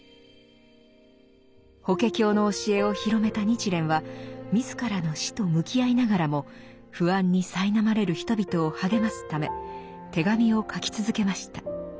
「法華経」の教えを広めた日蓮は自らの死と向き合いながらも不安にさいなまれる人々を励ますため手紙を書き続けました。